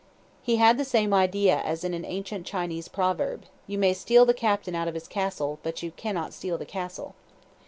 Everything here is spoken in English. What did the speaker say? (He had the same idea as in an ancient Chinese proverb: "You may steal the captain out of his castle, but you cannot steal the castle.")